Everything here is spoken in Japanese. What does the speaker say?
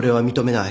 ・「ない！